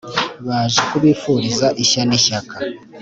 Baje kubifuriza ishya n'ishyaka